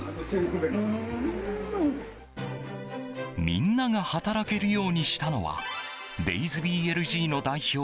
みんなが働けるようにしたのはＤＡＹＳＢＬＧ！の代表